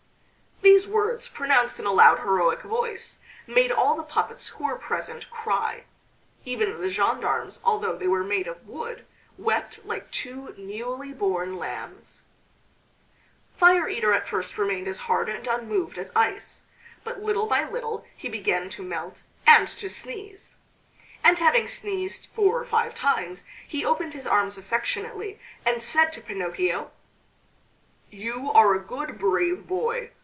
These words, pronounced in a loud heroic voice, made all the puppets who were present cry. Even the gendarmes, although they were made of wood, wept like two newly born lambs. Fire eater at first remained as hard and unmoved as ice, but little by little he began to melt and to sneeze. And having sneezed four or five times, he opened his arms affectionately, and said to Pinocchio: "You are a good brave boy!